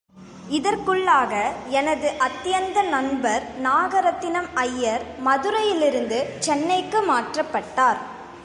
இதற்குள்ளாக எனது அத்யந்த நண்பர் நாகரத்தினம் ஐயர் மதுரையிலிருந்து சென்னைக்கு மாற்றப்பட்டார்.